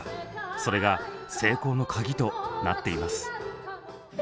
それが成功のカギとなっています。